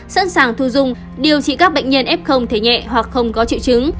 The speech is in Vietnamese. sẵn sàng thu dung điều trị các bệnh nhân ép không thể nhẹ hoặc không có triệu chứng